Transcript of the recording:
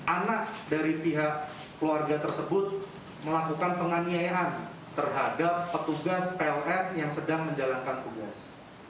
anak dari pihak keluarga tersebut melakukan penganiayaan terhadap petugas pln yang sedang menjalankan tugas